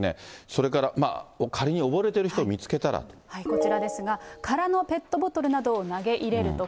それから仮に溺れてる人を見つけこちらですが、空のペットボトルなどを投げ入れると。